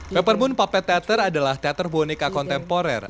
peppermoon puppet teater adalah teater boneka kontemporer